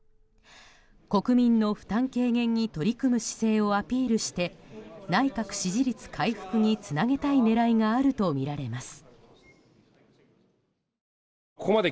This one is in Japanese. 国民の負担軽減に取り組む姿勢をアピールして内閣支持率回復につなげたい狙いがあるとみられます。